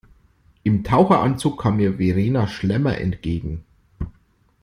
Im Taucheranzug kam mir Verena Schlemmer entgegen.